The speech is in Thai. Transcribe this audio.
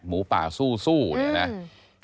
หมูป่าสู้อืม